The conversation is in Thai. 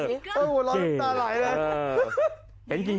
โอ้วร้อนตาหลายเลย